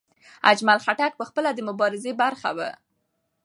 اجمل خټک پخپله د مبارزې برخه و.